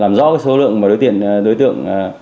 làm rõ số lượng đối tượng